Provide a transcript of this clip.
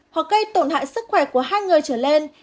hoặc gây tổn hại sức khỏe của hai người trở lên